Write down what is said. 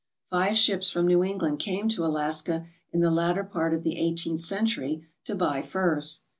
Five ships from New England came to Alaska in the latter part of the eighteenth century to buy furs.